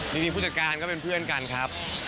จริงผู้จัดการก็เป็นเพื่อนกันครับ